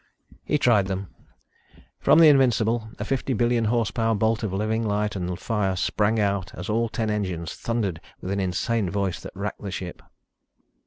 He tried them. From the Invincible a fifty billion horsepower bolt of living light and fire sprang out as all ten engines thundered with an insane voice that racked the ship.